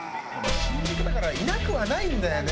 新宿だからいなくはないんだよね。